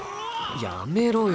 やめろよ。